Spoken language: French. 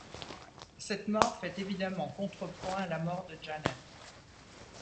Cette mort fait évidemment contrepoint à la mort de Janet.